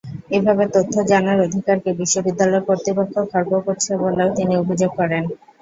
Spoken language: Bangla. এভাবে তথ্য জানার অধিকারকে বিশ্ববিদ্যালয় কর্তৃপক্ষ খর্ব করছে বলেও তিনি অভিযোগ করেন।